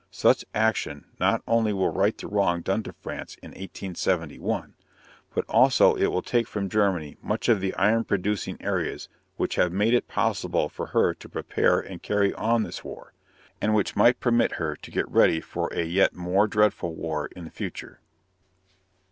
Such action not only will right the wrong done to France in 1871, but also it will take from Germany much of the iron producing areas which have made it possible for her to prepare and carry on this war, and which might permit her to get ready for a yet more dreadful war in the future.